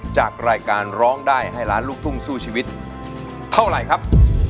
จากรายการร้องได้ให้ล้านลูกทุ่งสู้ชีวิตเท่าไหร่ครับ